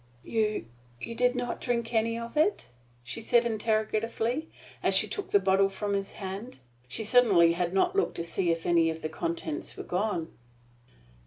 "You you did not drink any of it?" she said interrogatively, as she took the bottle from his hand. She certainly had not looked to see if any of the contents were gone.